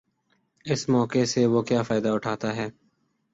اس موقع سے وہ کیا فائدہ اٹھاتا ہے۔